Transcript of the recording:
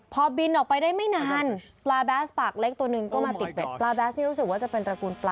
พอบินออกไปได้ไม่นาน